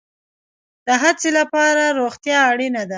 د هڅې لپاره روغتیا اړین ده